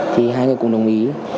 thì hai người cùng đồng ý